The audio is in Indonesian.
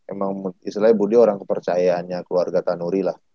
emang istilahnya budi orang kepercayaannya keluarga tanuri lah